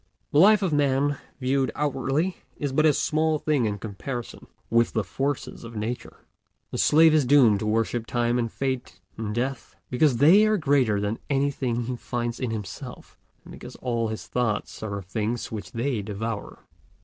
The life of Man, viewed outwardly, is but a small thing in comparison with the forces of Nature. The slave is doomed to worship Time and Fate and Death, because they are greater than anything he finds in himself, and because all his thoughts are of things which they devour.